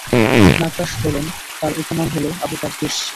নাক্কাশ বলেন, তার উপনাম হলো আবু কারদূস।